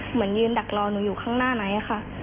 เหมือนยืนดักรอหนูอยู่ข้างหน้าไนท์ค่ะ